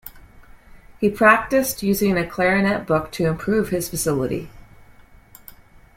He practiced using a clarinet book to improve his facility.